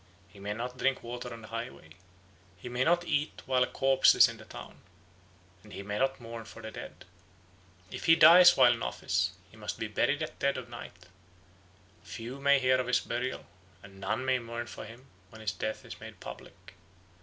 He may not drink water on the highway. He may not eat while a corpse is in the town, and he may not mourn for the dead. If he dies while in office, he must be buried at dead of night; few may hear of his burial, and none may mourn for him when his death is made public.